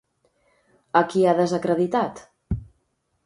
A qui ha desacreditat?